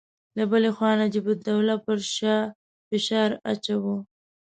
له بلې خوا نجیب الدوله پر شاه فشار اچاوه.